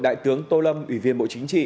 đại tướng tô lâm ủy viên bộ chính trị